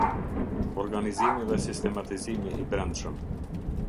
Organizimi dhe sistematizimi i brendshëm.